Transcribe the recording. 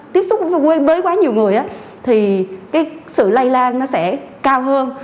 tiếp xúc với quá nhiều người thì cái sự lây lan nó sẽ cao hơn